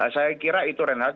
saya kira itu renard